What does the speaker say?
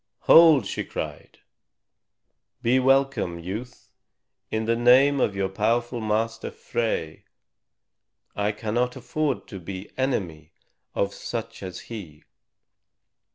"Hold!" she cried; "be welcome, youth, in the name of your powerful master, Frey. I cannot afford to be enemy of such as he.